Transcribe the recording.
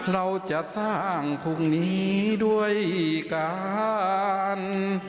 เราจะสร้างพรุ่งนี้ด้วยการ